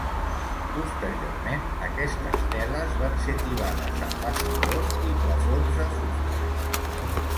Posteriorment, aquestes teles van ser tibades en bastidors i plafons de fusta.